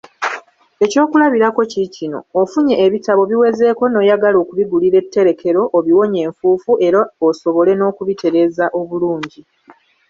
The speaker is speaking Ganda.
Ekyokulabirako kikino: Ofunye ebitabo biwezeeko n'oyagala okubigulira etterekero, obiwonye enfufu, era osobole n'okubitereeza obulungi.